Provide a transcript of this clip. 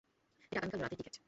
এটা আগামীকাল রাতের টিকেট।